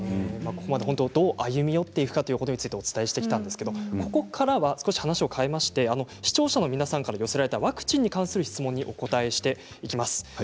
どう歩み寄っていくかということについてお伝えしてきましたが、ここからは少し話を変えまして視聴者の皆さんから寄せられたワクチンに関する質問にお答えしていきます。